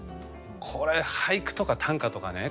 これ俳句と短歌とかね